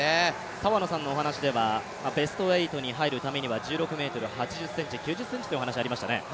澤野さんのお話では、ベスト８に入るためには１６ｍ８０ｃｍ、９０ｃｍという話がありましたね。